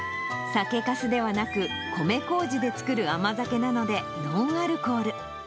酒かすではなく、米こうじで造る甘酒なので、ノンアルコール。